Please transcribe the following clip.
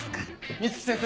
美月先生。